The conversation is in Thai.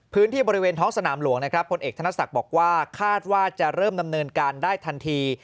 พื้นที่บริเวณท้องสนามหลวงนะครับผลเอกธนศักดิ์บอกว่าคาดว่าจะเริ่มดำเนินการได้ทันที